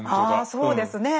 そうですねえ。